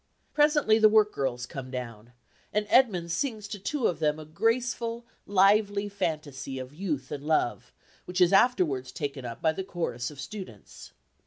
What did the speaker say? Presently the work girls come down, and Edmund sings to two of them a graceful, lively fantasy of youth and love, which is afterwards taken up by the chorus of students.